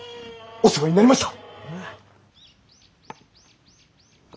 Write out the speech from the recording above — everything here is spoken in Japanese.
お世話になりました！